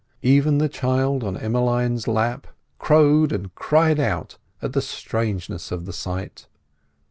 Even the child on Emmeline's lap crowed and cried out at the strangeness of the sight.